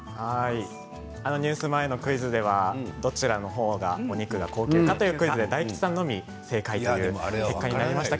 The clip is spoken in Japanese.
ニュース前のクイズではどちらの方がお肉が高級かというクイズで、大吉さんのみ正解でした。